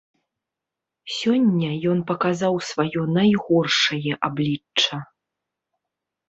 Сёння ён паказаў сваё найгоршае аблічча.